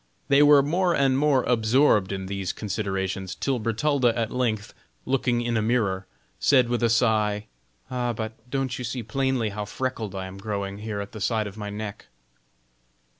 They were more and more absorbed in these considerations, till Bertalda at length, looking in a mirror, said with a sigh: "Ah, but don't you see plainly how freckled I am growing here at the side of my neck?"